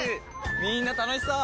みんな楽しそう！